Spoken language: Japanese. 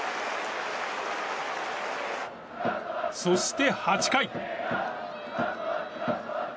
そして８回。